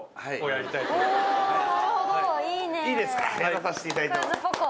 やらせていただきます。